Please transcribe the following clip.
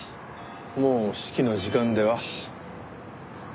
もう式の時間では？